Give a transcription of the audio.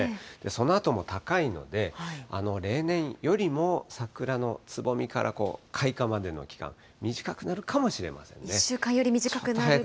そのあとも高いので、例年よりも桜のつぼみから開花までの期間、短くなるかもしれませ１週間より短くなるかも？